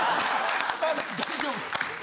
大丈夫っす。